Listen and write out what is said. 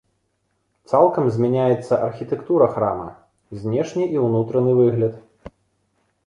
Цалкам змяняецца архітэктура храма, знешні і ўнутраны выгляд.